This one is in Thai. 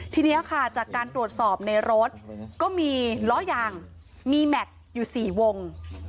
ทีนี้ค่ะจากการตรวจสอบในรถก็มีล้อยางมีแม็กซ์อยู่๔วง